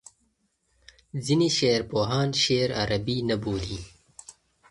ځینې شعرپوهان شعر عربي نه بولي.